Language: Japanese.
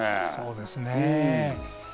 そうですね。